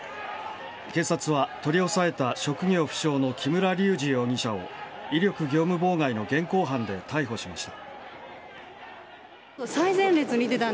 警察は取り押さえた職業不詳の木村隆二容疑者を威力業務妨害の現行犯で逮捕しました。